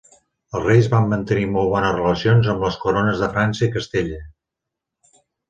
Els reis van mantenir molt bones relacions amb les corones de França i Castella.